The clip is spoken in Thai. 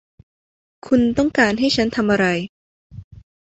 คุณต้องการให้ฉันทำอะไร ?